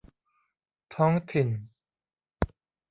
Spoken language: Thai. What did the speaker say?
ท้องถิ่น